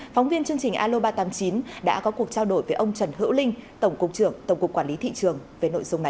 phóng viên chương trình aloba tám mươi chín đã có cuộc trao đổi với ông trần hữu linh tổng cục trường tổng cục quản lý thị trường về nội dung này